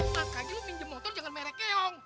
makanya lo pinjam motor jangan merek keong